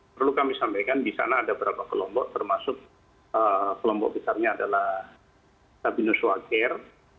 perlu kami sampaikan di sana ada beberapa kelompok termasuk kelompok besarnya adalah sabinus wager